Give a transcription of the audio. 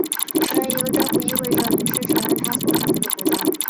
承认一个政府意味着隐式承认它所统治的国家。